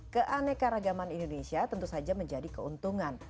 keanekaragaman indonesia tentu saja menjadi keuntungan